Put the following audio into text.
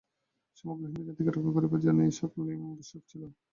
সমগ্র হিন্দুজাতিকে রক্ষা করিবার জন্য এই-সকল নিয়ম আবশ্যক ছিল।